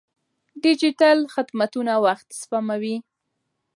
ډیجیټل خدمتونه وخت سپموي.